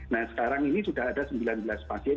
nah sekarang ini sudah ada sembilan belas pasien